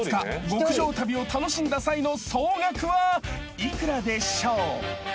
極上旅を楽しんだ際の総額は幾らでしょう？］